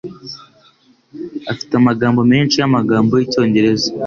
Afite amagambo menshi yamagambo yicyongereza.